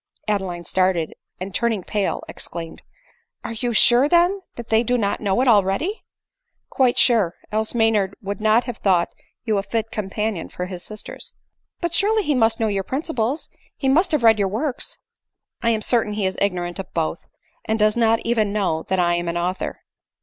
Adeline started ; and, turning pale, exclaimed, " Are you sure, then, that they do not know it already ?"" Quite sure— else Maynard would not have thought you a fit companion for his sisters." " But surely he must know your principles ; he must have read your works ?" "I am certain he is ignorant of both, and does not even know that I am an author."